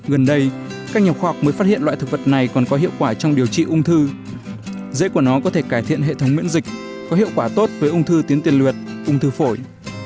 gần đây các nhà khoa học mới phát hiện loại thực vật này còn có hiệu quả trong điều trị ung thư dễ của nó có thể cải thiện hệ thống miễn dịch có hiệu quả tốt với ung thư tiến tiền luyện ung thư phổi